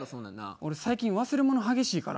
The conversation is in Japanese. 俺最近忘れ物激しいから。